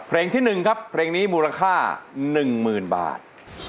เพลงที่๑ครับเพลงนี้มูลค่า๑๐๐๐บาท